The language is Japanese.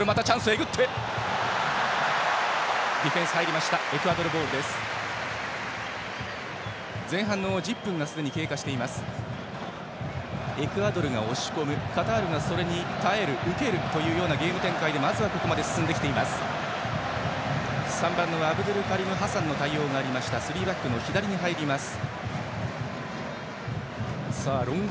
エクアドルが押し込みカタールがそれに耐える受けるというようなゲーム展開でまずはここまで進んできています。